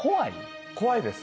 怖い？